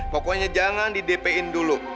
pokoknya jangan di dp in dulu